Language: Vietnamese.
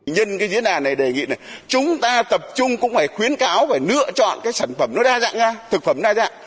nhân cái diễn đàn này đề nghị là chúng ta tập trung cũng phải khuyến cáo phải lựa chọn cái sản phẩm nó đa dạng ra thực phẩm đa dạng